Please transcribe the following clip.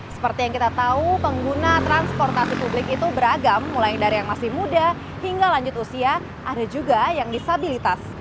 seperti yang kita tahu pengguna transportasi publik itu beragam mulai dari yang masih muda hingga lanjut usia ada juga yang disabilitas